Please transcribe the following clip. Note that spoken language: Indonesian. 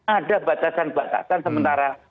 ada batasan batasan sementara